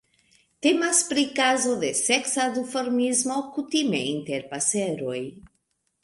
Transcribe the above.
Temas pri kazo de seksa duformismo, kutime inter paseroj.